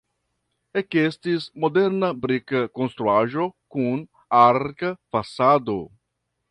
Ekestis modesta brika konstruaĵo kun arka fasado.